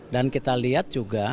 dan kita lihat juga